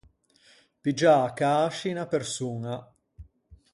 Piggiâ à cäsci unna persoña.